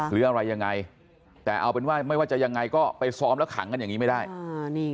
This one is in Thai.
หรืออะไรยังไงแต่เอาเป็นว่าไม่ว่าจะยังไงก็ไปซ้อมแล้วขังกันอย่างนี้ไม่ได้